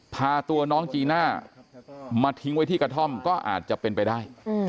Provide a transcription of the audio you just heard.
พาตัวน้องจีน่ามาทิ้งไว้ที่กระท่อมก็อาจจะเป็นไปได้